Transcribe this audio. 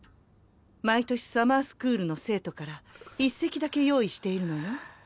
毎年サマースクールの生徒から１席だけ用意しているのよ。